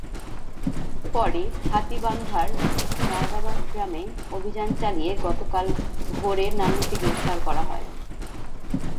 পরে হাতীবান্ধার নওদাবাস গ্রামে অভিযান চালিয়ে গতকাল ভোরে নান্নুকে গ্রেপ্তার করা হয়।